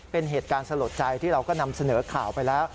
เป็นเหตุการณ์สลดใจที่เราก็นำเสนอข่าวไปแล้ว